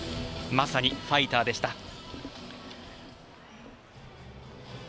まさにファイターでした。